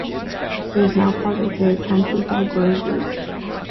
It is now part of the ComfortDelGro group.